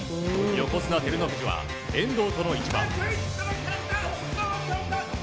横綱・照ノ富士は遠藤との一番。